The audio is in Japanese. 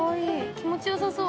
気持ちよさそう。